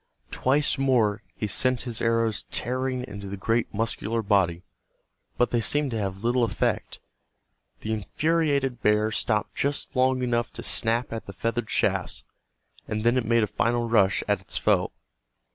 Twice more he sent his arrows tearing into the great muscular body, but they seemed to have little effect. The infuriated bear stopped just long enough to snap at the feathered shafts, and then it made a final rush at its foe.